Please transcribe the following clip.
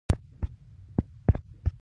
ډېر په بېړه روان و، هغه ما و واژه.